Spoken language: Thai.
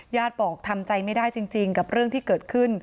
บอกทำใจไม่ได้จริงกับเรื่องที่เกิดขึ้น